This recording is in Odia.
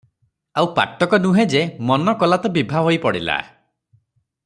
ଆଉ ପାଟକ ନୁହେଁ ଯେ, ମନ କଲା ତ ବିଭା ହୋଇ ପଡ଼ିଲା ।